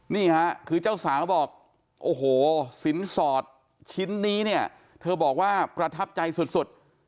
นี่ค่ะคือเจ้าสาวบอกโอ้โหสินสอดชิ้นนี้เนี่ยเธอบอกว่าประทับใจสุด